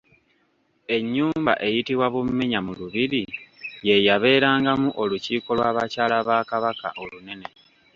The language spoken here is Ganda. Ennyumba eyitibwa Bummenya mu Lubiri yeeyabeerangamu olukiiko lw'abakyala ba Kabaka olunene.